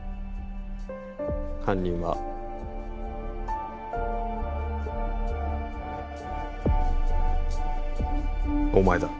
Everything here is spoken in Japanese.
犯人はお前だ